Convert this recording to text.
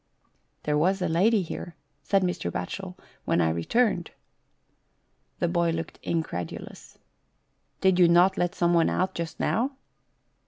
" There was a lady here," said Mr. Batchel, " when I returned." The boy now looked incredulous. "Did you not let someone out just now?